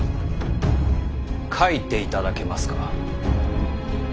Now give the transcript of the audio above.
書いていただけますか。